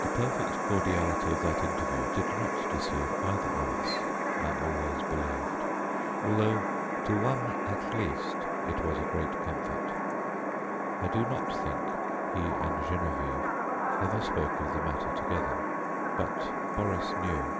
The perfect cordiality of that interview did not deceive either of us, I always believed, although to one at least it was a great comfort. I do not think he and Geneviève ever spoke of the matter together, but Boris knew.